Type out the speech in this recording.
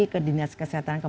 ke dinas kesehatan kabupaten